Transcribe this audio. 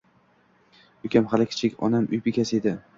Ukam hali kichik, onam uy bekasi edi